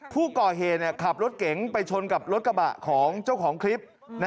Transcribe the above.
ผู้ก่อเหตุขับรถเก๋งไปชนกับรถกระบะของเจ้าของคลิป